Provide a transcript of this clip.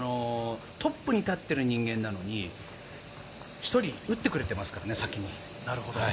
トップに立っている人間なのに１人打ってくれていますから、先に。